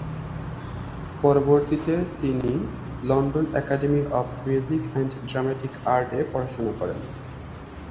পরবর্তীতে তিনি London academy of music and dramatic আর্ট-এ পড়াশুনা করেন।